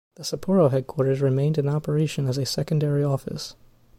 The Sapporo headquarters remained in operation as a secondary office.